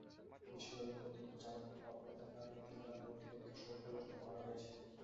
বিশ্ববিদ্যালয় কর্তৃপক্ষ জানায়, অবরোধের কারণে তিনবার ভর্তি পরীক্ষার সময় পরিবর্তন করা হয়েছে।